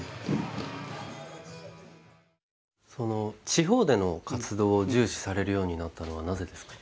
地方での活動を重視されるようになったのはなぜですか？